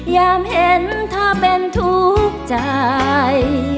ยามเห็นเธอเป็นทุกข์ใจ